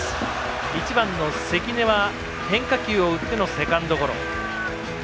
１番の関根は変化球を打ってのセカンドゴロ。